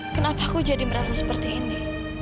kenapa aku jadi merasa seperti ini